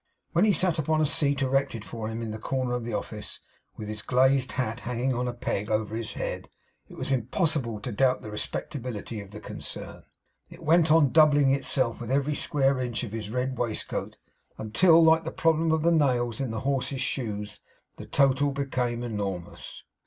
When he sat upon a seat erected for him in a corner of the office, with his glazed hat hanging on a peg over his head, it was impossible to doubt the respectability of the concern. It went on doubling itself with every square inch of his red waistcoat until, like the problem of the nails in the horse's shoes, the total became enormous.